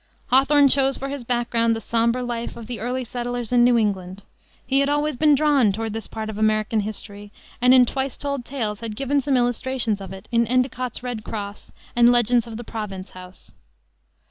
Hawthorne chose for his background the somber life of the early settlers in New England. He had always been drawn toward this part of American history, and in Twice Told Tales had given some illustrations of it in Endicott's Red Cross and Legends of the Province House.